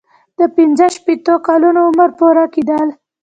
د پنځه شپیتو کلونو عمر پوره کیدل.